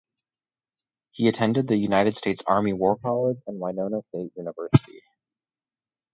He attended the United States Army War College and Winona State University.